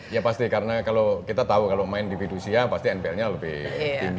ya pasti karena kalau kita tahu kalau main di fidusia pasti npl nya lebih tinggi